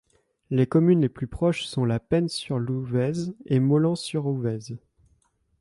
Les communes les plus proches sont La Penne-sur-l'Ouvèze et Mollans-sur-Ouvèze.